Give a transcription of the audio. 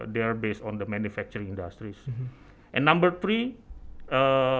mereka berdasarkan industri pembuatan